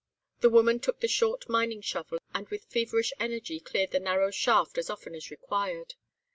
"The woman took the short mining shovel, and with feverish energy cleared the narrow shaft as often as required.